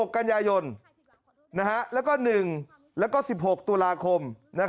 กันยายนแล้วก็๑แล้วก็๑๖ตุลาคม